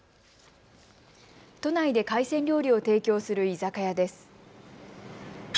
都内で海鮮料理を提供する居酒屋です。